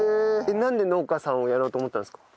なんで農家さんをやろうと思ったんですか？